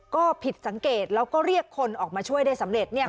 ก็ผิดสังเกตแล้วก็เรียกคนออกมาช่วยได้สำเร็จเนี่ย